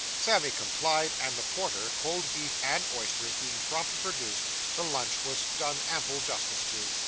Sammy complied; and the porter, cold beef, and oysters being promptly produced, the lunch was done ample justice to.